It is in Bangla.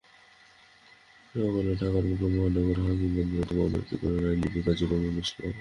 সকালে ঢাকার মুখ্য মহানগর হাকিম আদালতে মামলাটি করেন আইনজীবী গাজী কামরুল ইসলাম।